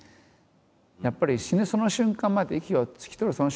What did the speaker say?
やっぱり死ぬその瞬間まで息を引き取る